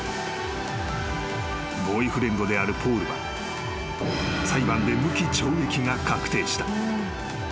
［ボーイフレンドであるポールは裁判で無期懲役が確定した］